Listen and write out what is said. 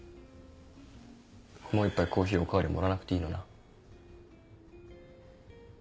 もう一杯コーヒーお代わりもらわなくていいのな？